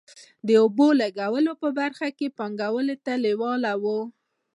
د اوبو لګونې په برخه کې پانګونې ته لېواله وو.